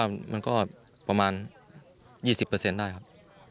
มันก็ประมาณ๒๐ได้ครับ